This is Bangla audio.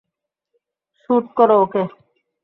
শ্যুট করো ওকে।